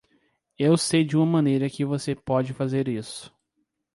Eu sei de uma maneira que você pode fazer isso.